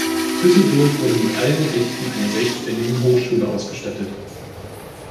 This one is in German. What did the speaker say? Düsseldorf wurde mit allen Rechten einer selbstständigen Hochschule ausgestattet.